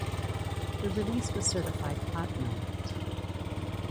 The release was certified platinum.